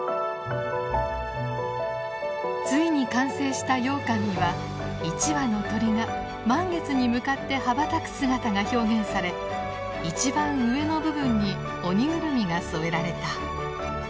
ついに完成したようかんには一羽の鳥が満月に向かって羽ばたく姿が表現され一番上の部分にオニグルミが添えられた。